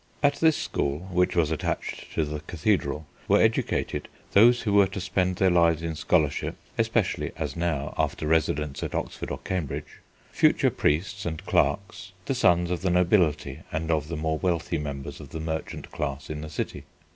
At this school, which was attached to the cathedral, were educated those who were to spend their lives in scholarship, especially, as now, after residence at Oxford or Cambridge; future priests and clerks; the sons of the nobility and of the more wealthy members of the merchant class in the city.